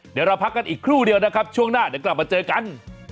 เดี๋ยวเราพักกันอีกครู่เดียวนะครับช่วงหน้าเดี๋ยวกลับมาเจอกัน